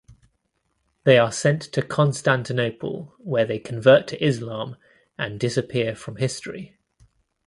They are sent to Constantinople where they convert to Islam and disappear from history.